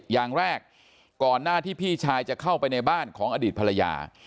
อย่างแรกก่อนหน้าที่พี่ชายจะเข้าไปในบ้านของอดีตภรรยา